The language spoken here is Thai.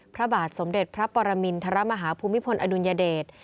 พระบาทสมเด็จพระปรมินทรมาฮาภูมิพลอดุลยเดช